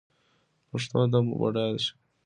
پښتو ادب مو بډایه شي.